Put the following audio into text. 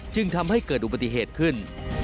จึงทำให้เกิดอุบัติเหตุขึ้น